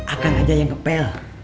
akan aja yang kepel